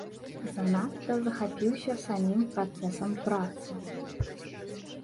Занадта захапіўся самім працэсам працы.